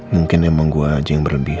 mungkin emang gue aja yang berlebih